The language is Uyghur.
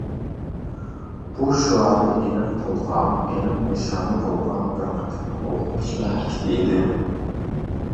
بۇ شوئارى ئېنىق بولغان، ئېنىق نىشانى بولغان بىر قېتىملىق ئوقۇغۇچىلار ھەرىكىتى ئىدى.